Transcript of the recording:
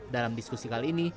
dalam diskusi kali ini